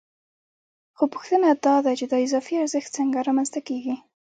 خو پوښتنه دا ده چې دا اضافي ارزښت څنګه رامنځته کېږي